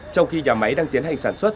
trong khi nhà máy đang tiến hành sản xuất